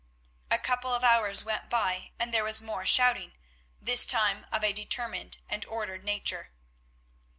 A couple of hours went by and there was more shouting, this time of a determined and ordered nature.